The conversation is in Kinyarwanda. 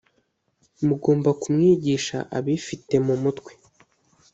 Mugomba kumwigisha abifite mu mutwe